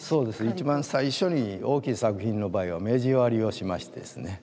一番最初に大きい作品の場合は目地割りをしましてですね